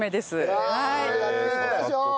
うわやっていきましょう！